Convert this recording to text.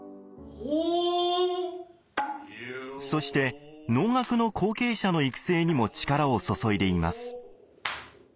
そして能楽の後継者の育成にも力を注いでいます。